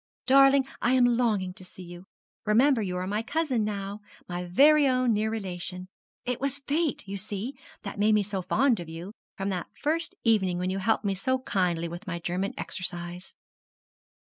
Darling, I am longing to see you. Remember you are my cousin now my very own near relation. It was Fate, you see, that made me so fond of you, from that first evening when you helped me so kindly with my German exercise.'